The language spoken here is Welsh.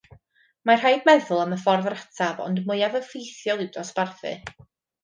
Mae'n rhaid meddwl am y ffordd rataf ond mwyaf effeithiol i'w dosbarthu